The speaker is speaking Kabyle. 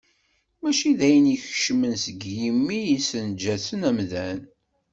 Mačči d ayen ikeččmen seg yimi i yessenǧasen amdan.